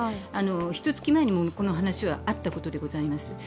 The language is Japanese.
ひと月前にもこの話はあったことでございます。